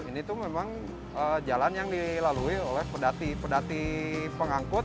ini tuh memang jalan yang dilalui oleh pedati pedati pengangkut